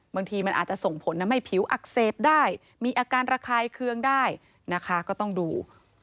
มีอาการระคายเคลื่องได้นะคะก็ต้องดู